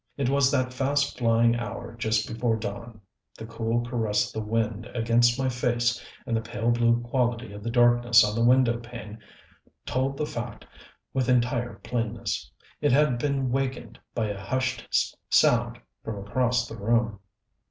It was that fast flying hour just before dawn: the cool caress of the wind against my face and the pale blue quality of the darkness on the window pane told that fact with entire plainness. It had been wakened by a hushed sound from across the room.